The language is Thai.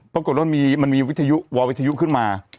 ปรากฏแล้วมันมีวัววิทยุขึ้นมา